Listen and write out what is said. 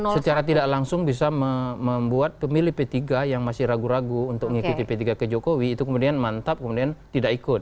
secara tidak langsung bisa membuat pemilih p tiga yang masih ragu ragu untuk mengikuti p tiga ke jokowi itu kemudian mantap kemudian tidak ikut